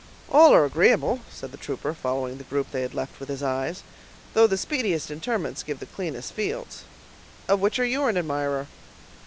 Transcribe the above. "All are agreeable," said the trooper, following the group they had left with his eyes; "though the speediest interments give the cleanest fields. Of which are you an admirer?"